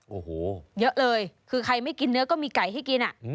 โอ้โหเยอะเลยคือใครไม่กินเนื้อก็มีไก่ให้กิน